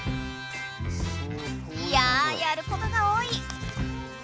いややることが多い。